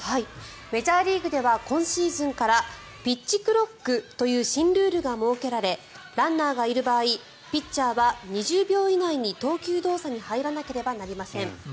メジャーリーグでは今シーズンからピッチクロックという新ルールが設けられランナーがいる場合ピッチャーは２０秒以内に投球動作に入らなければなりません。